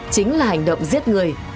chính là hành động giết người